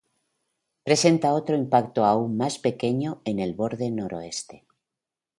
Presenta otro impacto aún más pequeño en el borde noreste.